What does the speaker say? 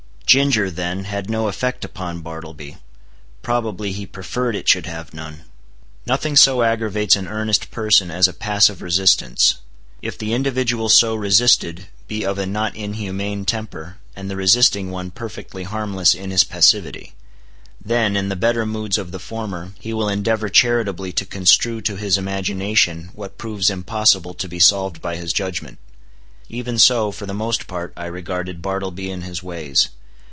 Ginger, then, had no effect upon Bartleby. Probably he preferred it should have none. Nothing so aggravates an earnest person as a passive resistance. If the individual so resisted be of a not inhumane temper, and the resisting one perfectly harmless in his passivity; then, in the better moods of the former, he will endeavor charitably to construe to his imagination what proves impossible to be solved by his judgment. Even so, for the most part, I regarded Bartleby and his ways.